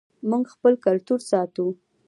موږ خپل کلتور ساتو